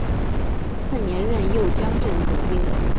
次年任右江镇总兵。